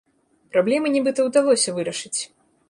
Праблемы, нібыта, удалося вырашыць.